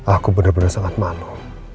aku benar benar sangat malu